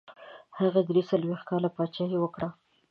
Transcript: هغه دري څلوېښت کاله پاچهي وکړه.